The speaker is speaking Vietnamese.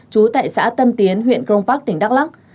chú tại xã tân tiến huyện grongpak tỉnh đắk lắc